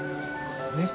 ねっ？